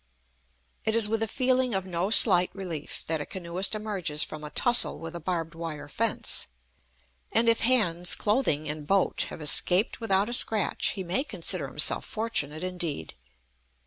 It is with a feeling of no slight relief that a canoeist emerges from a tussle with a barbed wire fence; and if hands, clothing, and boat have escaped without a scratch, he may consider himself fortunate, indeed.